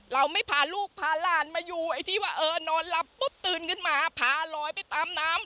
เราไม่พาลูกพาหลานมาอยู่ไอ้ที่ว่าเออนอนหลับปุ๊บตื่นขึ้นมาพาลอยไปตามน้ำ